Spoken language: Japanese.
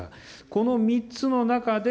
この３つの中で、